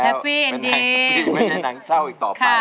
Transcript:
แล้วถึงหนังเจ้าอีกต่อไป